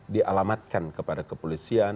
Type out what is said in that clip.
dialamatkan kepada kepolisian